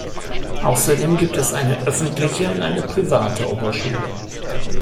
Außerdem gibt es eine öffentliche und eine private Oberschule.